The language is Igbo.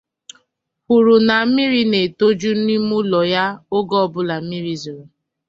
kwuru na mmiri na-etoju n'ime ụlọ ya oge ọbụla mmiri zoro